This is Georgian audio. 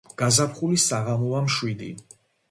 გაზაფხულის საღამოა მშვიდი